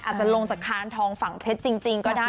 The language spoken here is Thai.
อาจจะลงจากคานทองฝั่งเพชรจริงก็ได้